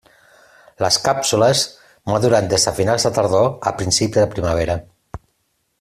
Les càpsules maduren des de finals de tardor a principi de primavera.